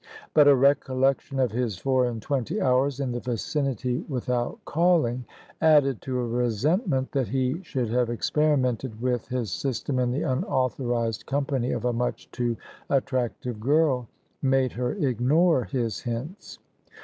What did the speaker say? But a recollection of his four and twenty hours in the vicinity without calling, added to a resentment that he should have experimented with his system in the unauthorised company of a much too attractive girl, made her ignore his hints.